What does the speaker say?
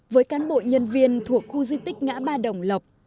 với cán bộ nhân viên thuộc khu di tích ngã ba đồng lộc